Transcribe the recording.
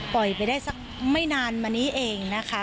ไปได้สักไม่นานมานี้เองนะคะ